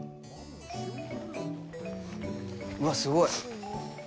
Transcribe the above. うわ、すごい。